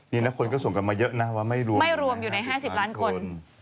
นี่นะคนก็ส่งกันมาเยอะนะว่าไม่รู้ไม่รวมอยู่ใน๕๐ล้านคน